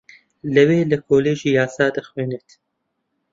لەوێ لە کۆلێژی یاسا دەخوێنێت